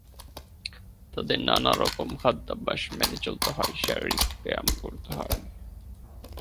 তাদের নানা রকম খাদ্যাভ্যাস মেনে চলতে হয়, শারীরিক ব্যায়াম করতে হয়।